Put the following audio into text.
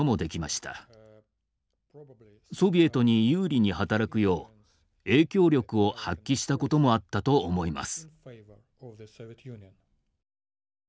ソビエトに有利に働くよう影響力を発揮した事もあったと思います。